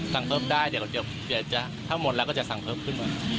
สั่งเพิ่มได้เดี๋ยวเดี๋ยวจะถ้าหมดแล้วก็จะสั่งเพิ่มขึ้นมา